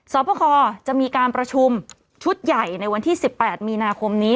สอบประคอจะมีการประชุมชุดใหญ่ในวันที่๑๘มีนาคมนี้